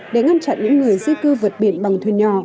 để ngăn chặn những người di cư vượt biển bằng thuyền nhỏ